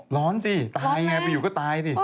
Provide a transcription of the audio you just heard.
ร้อนสิตายไงไปอยู่ก็ตายสิ